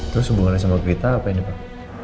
terus hubungannya sama kita apa ini pak